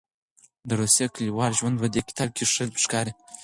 د روسیې کلیوال ژوند په دې کتاب کې ښه ښکاري.